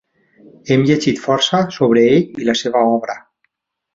Hem llegit força sobre ell i la seva obra.